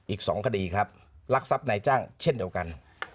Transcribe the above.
อีก๒คดีครับรักทรัพย์นายจ้างเช่นเดียวกัน